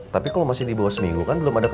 tapi kalau masih di bawah seminggu kan belum ada